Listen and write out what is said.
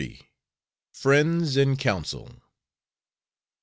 FRIENDS IN COUNCIL.